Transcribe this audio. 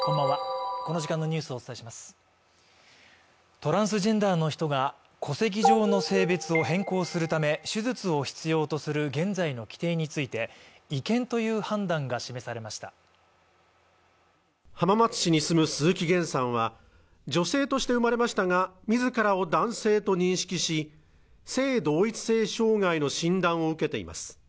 トランスジェンダーの人が戸籍上の性別を変更するために手術を必要とする現在の規定について違憲という判断が示されました浜松市に住む鈴木げんさんは女性として生まれましたが自らを男性と認識し性同一性障害の診断を受けています